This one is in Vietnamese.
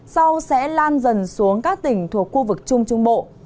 sau sẽ lan dần xuống các tỉnh thuộc khu vực trung trung bộ